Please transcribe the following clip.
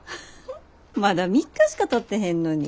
まだ３日しかたってへんのに。